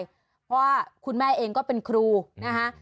เพราะว่าคุณแม่เองก็เป็นครูนะคะ